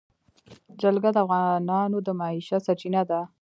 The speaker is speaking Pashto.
جلګه د افغانانو د معیشت سرچینه ده.